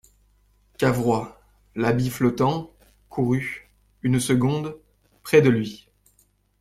Cavrois, l'habit flottant, courut, une seconde, près de lui.